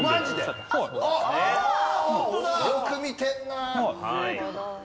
よく見てるな！